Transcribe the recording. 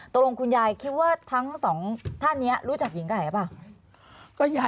คุณยายคิดว่าทั้งสองท่านนี้รู้จักหญิงไก่หรือเปล่า